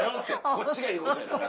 こっちが言うことやから。